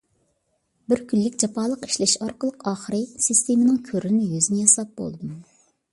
بىر كۈنلۈك جاپالىق ئىشلەش ئارقىلىق ئاخىرى سىستېمىنىڭ كۆرۈنمە يۈزىنى ياساپ بولدۇم.